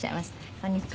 こんにちは。